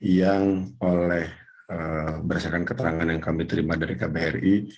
yang oleh berdasarkan keterangan yang kami terima dari kbri